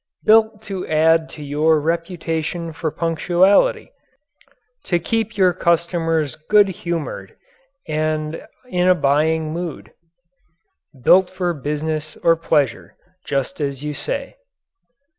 Built to add to your reputation for punctuality; to keep your customers good humoured and in a buying mood. Built for business or pleasure just as you say.